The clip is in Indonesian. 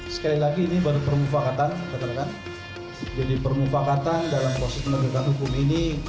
sekali lagi ini baru pemufekatan jadi pemufekatan dalam posisi pendekatan hukum ini